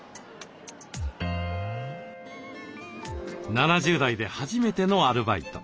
７０代で初めてのアルバイト。